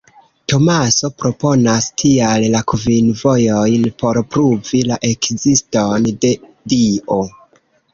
Tomaso proponas, tial, la kvin “vojojn” por pruvi la ekziston de Dio.